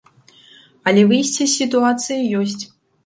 Але выйсце з сітуацыі ёсць.